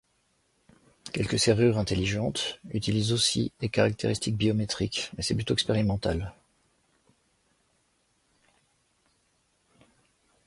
Quelques serrures intelligents utilisent aussi des caractéristiques biométriques, mais c'est plutôt expérimental.